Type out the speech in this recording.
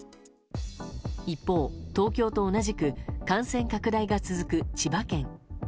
一方、東京と同じく感染拡大が続く千葉県。